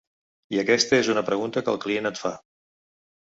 I aquesta és una pregunta que el client et fa.